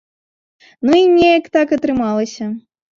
Ну і неяк так атрымалася.